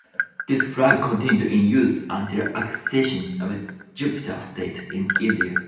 This flag continued in use until accession of Jaipur state in India.